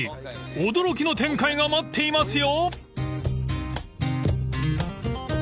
［驚きの展開が待っていますよ］